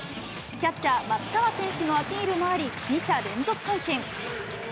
キャッチャー、松川選手のアピールもあり、２者連続三振。